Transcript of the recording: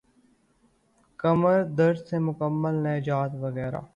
کمر درد سے مکمل نجات وغیرہ